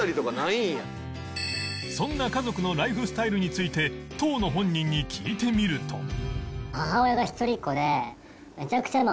そんな家族のライフスタイルについて当の本人に聞いてみると